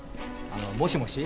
あのもしもし？